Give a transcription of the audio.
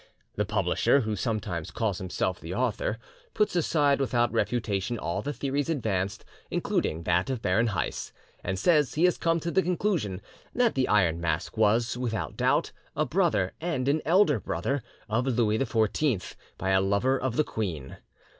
The publisher, who sometimes calls himself the author, puts aside without refutation all the theories advanced, including that of Baron Heiss, and says he has come to the conclusion that the Iron Mask was, without doubt, a brother and an elder brother of Louis XIV, by a lover of the queen.